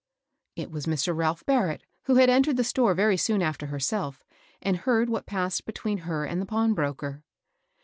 It was Mr. Ralph Barrett who had entered the store very soon after herself, and heard what passed between her and the pawnbroker.